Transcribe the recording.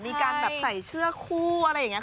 มีการแบบใส่เสื้อคู่อะไรอย่างนี้